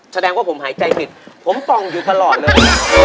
แสดงว่าผมหายใจผิดผมป่องอยู่ตลอดเลย